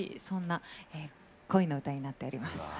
そんな恋の歌になっております。